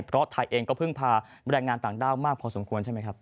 เพราะไทยเองก็พึ่งพาแรงงานต่างด้าวมากพอสมควรใช่ไหมครับ